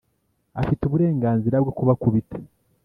afite uburenganzira bwo kubakubita